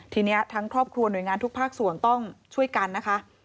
ทีนี้ทั้งครอบครัวหน่วยงานทุกภาคส่วนต้องช่วยกันนะคะ